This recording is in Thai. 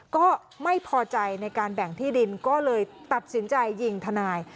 ก็ไม่พอใจในการแบ่งที่ดินก็เลยตัดสินใจยิงทนาย